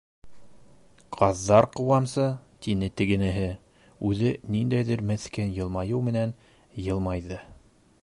- Ҡаҙҙар ҡыуамсы, - тине тегенеһе, үҙе ниндәйҙер меҫкен йылмайыу менән йылмайҙы.